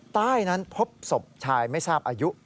ใต้นั้นพบศพชายไม่ทราบอายุ